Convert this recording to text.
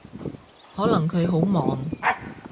可能佢好忙